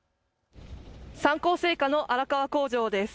三幸製菓の荒川工場です。